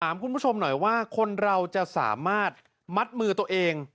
คุณผู้ชมหน่อยว่าคนเราจะสามารถมัดมือตัวเอง